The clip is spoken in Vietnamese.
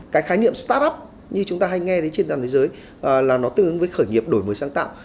cái khái niệm start up như chúng ta hay nghe đến trên toàn thế giới là nó tương ứng với khởi nghiệp đổi mới sáng tạo